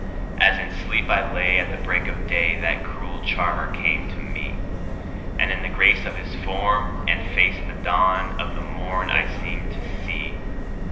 As in sleep I lay at the break of day that cruel charmer came to me, And in the grace of his form and face the dawn of the morn I seemed to see.